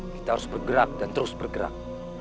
kita harus bergerak dan terus bergerak